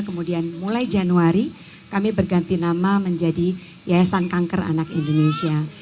kemudian mulai januari kami berganti nama menjadi yayasan kanker anak indonesia